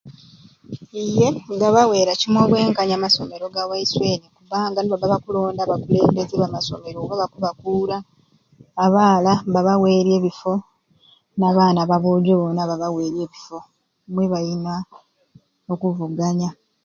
Ye gabaweera kimwei obwenkanya amasomeero ga waiswe eni kubanga nibabba bakulonda abakulembeze ba masomero oba abakubakuura abaala babaweerya ebifo n'abaana ba bwojo boona babaweerya ebifo mwebayina okuvuganya.